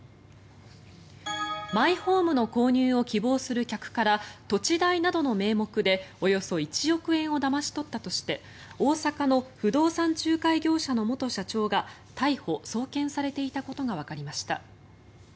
マイホームの購入を希望する客から土地代などの名目でおよそ１億円をだまし取ったとして大阪の不動産仲介業者の元社長が逮捕・送検されていたことがわかりました。